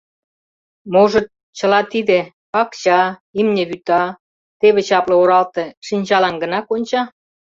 Можыт, чыла тиде — пакча, имне вӱта, теве чапле оралте — шинчалан гына конча?